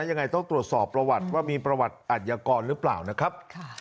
ยังไงต้องตรวจสอบประวัติว่ามีประวัติอัธยากรหรือเปล่านะครับ